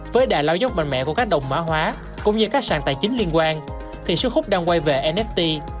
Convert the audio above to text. với đại lao dốc mạnh mẽ của các đồng mã hóa cũng như các sàn tài chính liên quan thì sự khúc đang quay về nft